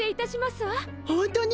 ホントに！？